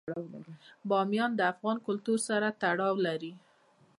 بامیان د افغان کلتور سره تړاو لري.